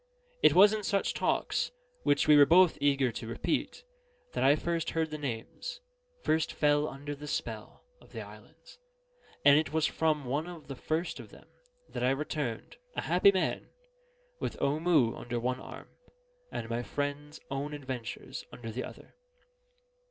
It was in such talks, which we were both eager to repeat, that I first heard the names first fell under the spell of the islands; and it was from one of the first of them that I returned (a happy man) with Omoo under one arm, and my friend's own adventures under the other.